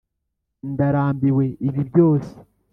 ndarambiwe ibi byose.